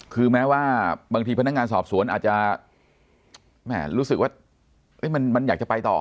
คือแม้ว่าบางทีพนักงานสอบสวนอาจจะรู้สึกว่ามันอยากจะไปต่อ